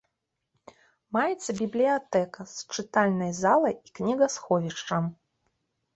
Маецца бібліятэка з чытальнай залай і кнігасховішчам.